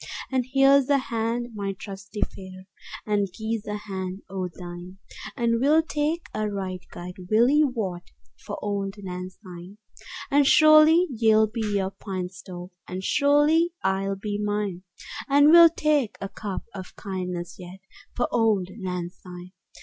And here 's a hand, my trusty fiere, And gie's a hand o' thine; And we'll tak a right guid willie waught 15 For auld lang syne. And surely ye'll be your pint stowp, And surely I'll be mine; And we'll tak a cup o' kindness yet For auld lang syne!